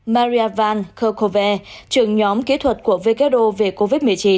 maria van kerkhove trưởng nhóm kỹ thuật của who về covid một mươi chín